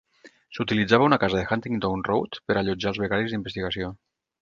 S'utilitzava una casa de Huntingdon Road per allotjar als becaris d'investigació.